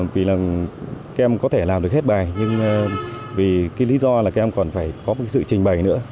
vì là các em có thể làm được hết bài nhưng vì cái lý do là các em còn phải có một sự trình bày nữa